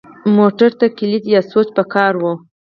موټر ته کلید یا سوئچ پکار وي.